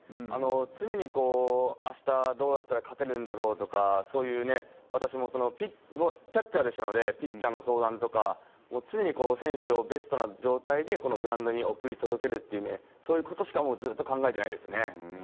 常に、あしたどうやったら勝てるんだろうとか、そういう、私もキャッチャーでしたので、ピッチャーの相談とか、常に選手をベストな状態でこのグラウンドに送り届けるという、そういうことしかずーっと考えてないですね。